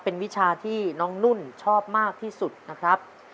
คำสมาธิน้องนุ่นชอบมากที่สุดนะครับ